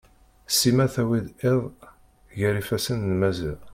Sima tewwid iḍ gar yifasen n Maziɣ.